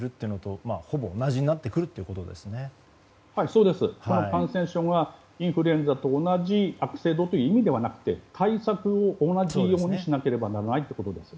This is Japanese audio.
この感染症はインフルエンザと同じ悪性という意味ではなくて対策を同じようにしなければならないということです。